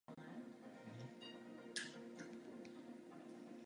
Bezprostředně pod hrází rybníka jsou další dvě menší nádrže a chatová osada Zátiší.